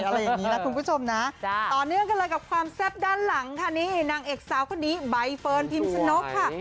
อะไรอย่างนี้นะคุณผู้ชมนะต่อเนื่องกันเลยกับความแซ่บด้านหลังค่ะนี่นางเอกสาวคนนี้ใบเฟิร์นพิมชนกค่ะ